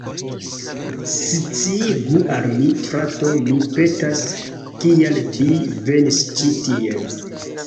Sciigu al mi, frato, mi petas, kial vi venis ĉi tien.